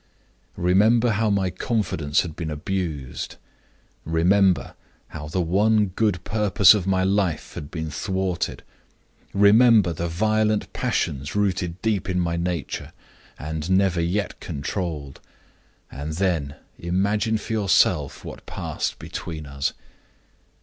"Remember how my confidence had been abused; remember how the one good purpose of my life had been thwarted; remember the violent passions rooted deep in my nature, and never yet controlled and then imagine for yourself what passed between us.